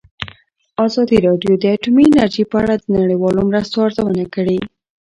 ازادي راډیو د اټومي انرژي په اړه د نړیوالو مرستو ارزونه کړې.